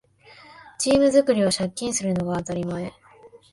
チーム作りは借金するのが当たり前